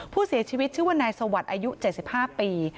ผู้เสียชีวิตชื่อว่านายสวัสดิ์อายุ๗๕ปี